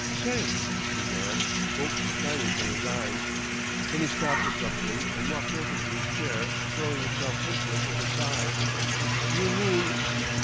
"Say," he began, hope shining from his eyes. Then he stopped abruptly and walked over to his chair, throwing himself into it with a sigh. "You mean."